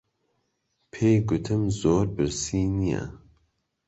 پێی گوتم زۆر برسی نییە.